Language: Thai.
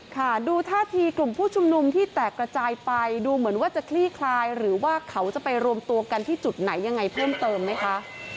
ค่ะดูท่าทีกลุ่มผู้ชุมนุมที่แตกระจายไปดูเหมือนว่าจะคลี่คลายหรือว่าเขาจะไปรวมตัวกันที่จุดไหนยังไงเพิ่มเติมไหมคะ